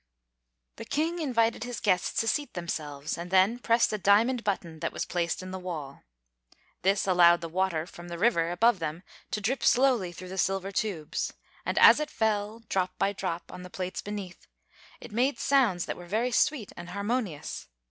The King invited his guests to seat themselves, and then pressed a diamond button that was placed in the wall. This allowed the water from the river above them to drip slowly through the silver tubes; and as it fell, drop by drop, on the plates beneath, it made sounds that were very sweet and harmonious.